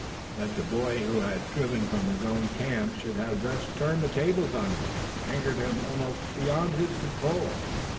That the boy whom he had driven from his own camp should have thus turned the tables on him angered him almost beyond his control.